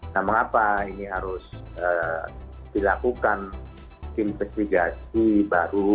namun apa ini harus dilakukan investigasi baru